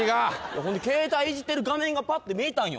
ほんで携帯いじってる画面がパッて見えたんよ